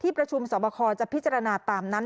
ประชุมสอบคอจะพิจารณาตามนั้น